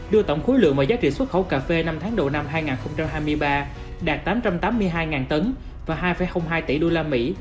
đưa tổng khối lượng và giá trị xuất khẩu cà phê năm tháng đầu năm hai nghìn hai mươi ba đạt tám trăm tám mươi hai tấn và hai hai tỷ đô la mỹ